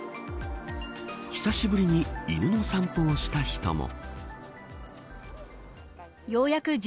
久しぶりに犬の散歩をした人も。